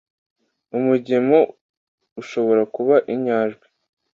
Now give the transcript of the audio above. umugemo ushobora kuba inyajwi